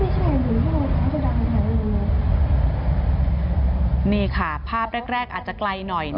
ชนน่าจะป้ายทะเบียนหักด้วย